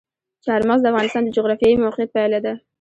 چار مغز د افغانستان د جغرافیایي موقیعت پایله ده.